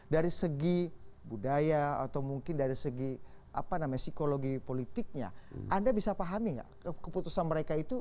dari segi budaya atau mungkin dari segi psikologi politiknya anda bisa pahami nggak keputusan mereka itu